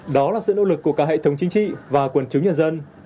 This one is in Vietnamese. đó là sự nỗ lực của cả hệ thống chính trị và quần chúng nhân dân